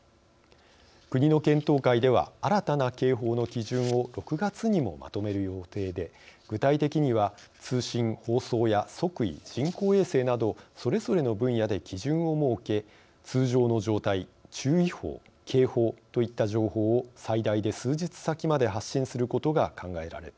国の検討会では新たな警報の基準を６月にもまとめる予定で具体的には通信・放送や測位人工衛星などそれぞれの分野で基準を設け「通常の状態」「注意報」「警報」といった情報を最大で数日先まで発信することが考えられています。